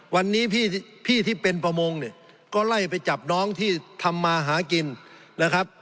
วันนี้พี่ที่เป็นประมงเนี่ยก็ไล่ไปจับน้องที่ทำมาหากินนะครับ